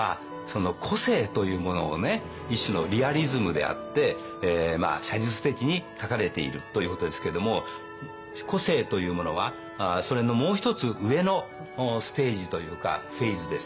一種のリアリズムであって写実的に描かれているということですけれども個性というものはそれのもう一つ上のステージというかフェーズですね。